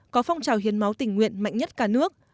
có phong trào hiến máu tình nguyện mạnh nhất cả nước